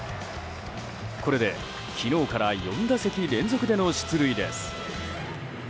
これで昨日から４打席連続での出塁です。